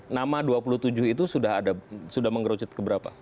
nama dua puluh tujuh itu sudah mengerucut ke berapa